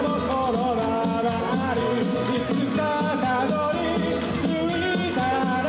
「いつかたどり着いたら」